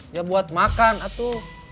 ya buat makan atuh